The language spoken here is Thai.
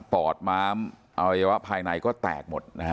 อดม้ามอวัยวะภายในก็แตกหมดนะฮะ